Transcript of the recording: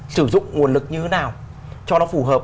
sử dụng nguồn lực như thế nào cho nó phù hợp